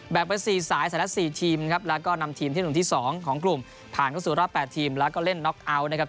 ไป๔สายแต่ละ๔ทีมครับแล้วก็นำทีมที่หนุ่มที่๒ของกลุ่มผ่านเข้าสู่รอบ๘ทีมแล้วก็เล่นน็อกเอาท์นะครับ